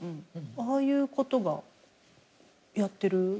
ああいうことがやってる？